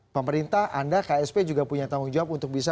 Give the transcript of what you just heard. pemerintah anda ksp juga punya tanggung jawab untuk bisa